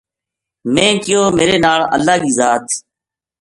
میں کہیو میرے نال اللہ کی ذات